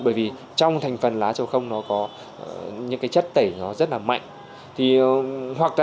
bởi vì trong thành phần lá trầu không có những chất tẩy rất mạnh